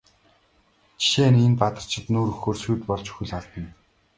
Жишээ нь энэ Бадарчид нүүр өгөхөөр сүйд болж хөл алдана.